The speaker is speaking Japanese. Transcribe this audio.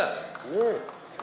ねえ？